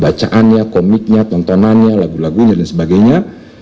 bacaannya komiknya tontonannya lagu lagunya dan sebagainya